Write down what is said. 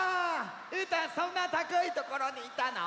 うーたんそんなたかいところにいたの？